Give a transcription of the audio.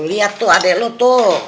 lo liat tuh aduh lo tuh